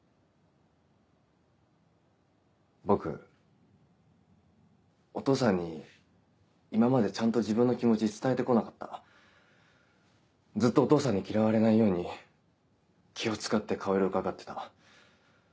僕お父さんに今までちゃんと自分の気持ち伝えて来なかった。ずっとお父さんに嫌われないように気を使って顔色うかがってた。